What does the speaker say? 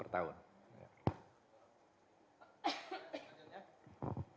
pertahun pertahun tentu pertahun